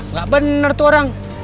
nggak bener tuh orang